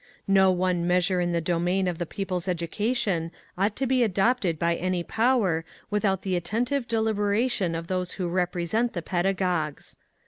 No one measure in the domain of the people's education ought to be adopted by any power without the attentive deliberation of those who represent the pedagogues.